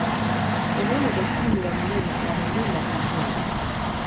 Sehemu za chini ya mlima wanalimwa mahindi